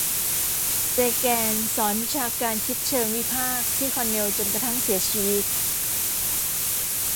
เซแกนสอนวิชาการคิดเชิงวิพากษ์ที่คอร์เนลจนกระทั่งเสียชีวิต